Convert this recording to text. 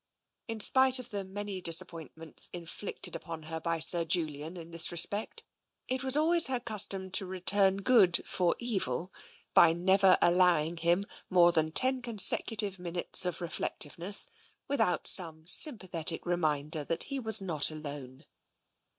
In spite of the many disap pointments inflicted upon her by Sir Julian in this re spect, it was also her custom to return good for evil by never allowing him more than ten consecutive min utes of reflectiveness without some sympathetic re minder that he was not alone.